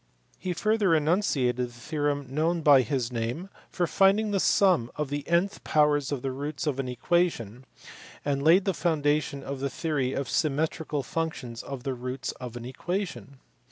He further enunciated the theorem known by his name for finding the sum of the nth powers of the roots of an equation, and laid the foundation of the theory of symmetrical functions of the roots of an equation.